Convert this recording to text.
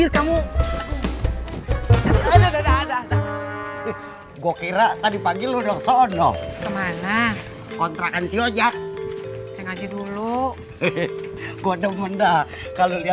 sampai jumpa di video selanjutnya